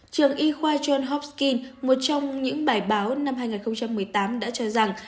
trường y khoa john hopkins một trong những bài báo năm hai nghìn một mươi tám đã cho rằng